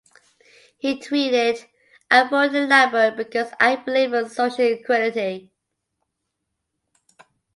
He tweeted: I'm voting Labour because I believe in social equality.